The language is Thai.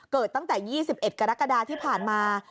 เกิดตั้งแต่๒๑กรกฎาที่ผ่านมา